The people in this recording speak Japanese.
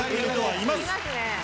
いますね。